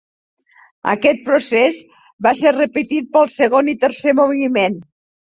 Aquest procés va ser repetit per al segon i tercer moviment.